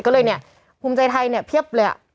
ก็เลยเนี่ยภูมิใจไทยเนี่ยเพียบเลยอ่ะ